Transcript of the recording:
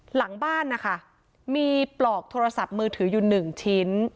หลังบ้านนะคะมีปลอกโทรศัพท์มือถืออยู่หนึ่งชิ้น